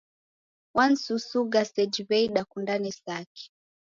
Wanisusuga seji w'ei dakundane saki!